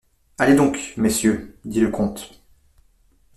Allez donc, messieurs, dit le comte.